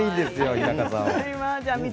日高さんは。